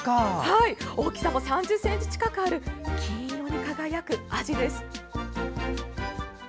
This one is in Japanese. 大きさも３０ｃｍ近くある金色に輝くアジです。